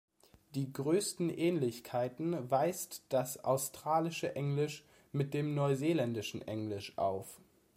Die größten Ähnlichkeiten weist das australische Englisch mit dem neuseeländischen Englisch auf.